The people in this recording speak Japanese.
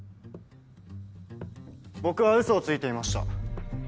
僕はウソをついていました。